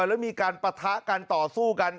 แล้วมีการปะทะกันต่อสู้กัน